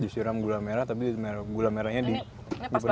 disiram gula merah tapi gula merahnya dipenuhi dalam